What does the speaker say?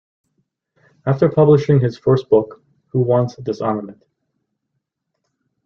After publishing his first book, Who Wants Disarmament?